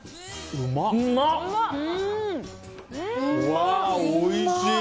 うわあ、おいしい。